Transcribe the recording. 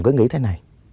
cứ nghĩ thế này